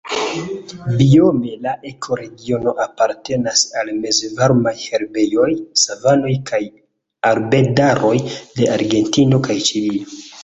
Biome la ekoregiono apartenas al mezvarmaj herbejoj, savanoj kaj arbedaroj de Argentino kaj Ĉilio.